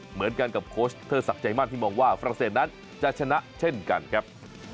เหมือนกันกับโค้ชเทอร์ศักดิ์ใจมากที่มองว่าฝรั่งเศสนั้นจะชนะเช่นกันครับ